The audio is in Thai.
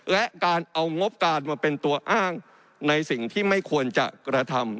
และการเอางบการมาเป็นตัวอ้างในสิ่งที่ไม่ควรจะกระทำ